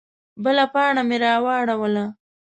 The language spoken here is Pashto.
_بله پاڼه مې راواړوله.